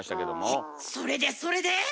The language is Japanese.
えっそれでそれで？